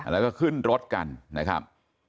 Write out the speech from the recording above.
แล้วก็ขึ้นรถกันนะครับ